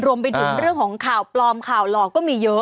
รวมไปถึงเรื่องของข่าวปลอมข่าวหลอกก็มีเยอะ